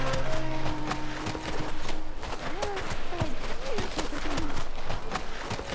これは一体どういうこととな。